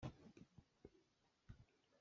Kan inn pawngah thing pel tampi an um.